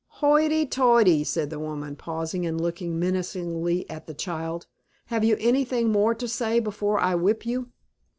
"Hoity toity!" said the woman, pausing and looking menacingly at the child. "Have you anything more to say before I whip you?"